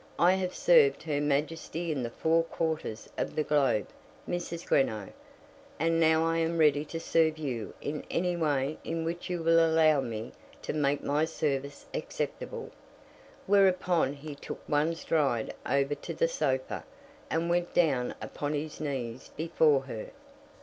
I have served her Majesty in the four quarters of the globe, Mrs. Greenow; and now I am ready to serve you in any way in which you will allow me to make my service acceptable." Whereupon he took one stride over to the sofa, and went down upon his knees before her.